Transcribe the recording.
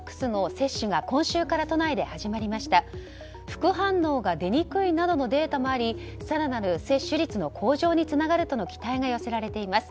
副反応が出にくいなどのデータもあり更なる接種率の向上につながるとの期待が寄せられています。